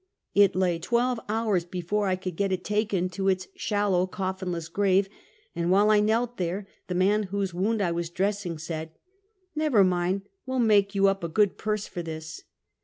It lay twelve hours before I could get it taken to its shallow, coffinless grave; and while I knelt there, the man whose wound I was dressing, said: " ISTever mind; we'll make you up a good purse for this